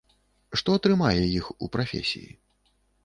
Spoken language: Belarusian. Што трымае іх у прафесіі?